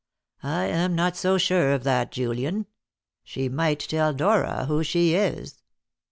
"I am not so sure of that, Julian. She might tell Dora who she is."